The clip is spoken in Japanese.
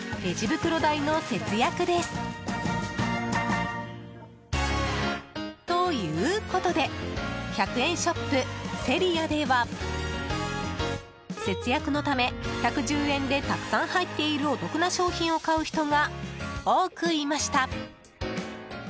袋代の節約です。ということで１００円ショップ、セリアでは節約のため１１０円でたくさん入っているお得な商品を買う人が多くいました。